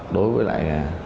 đối với lại